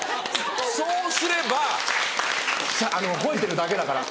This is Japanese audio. そうすれば吠えてるだけだから。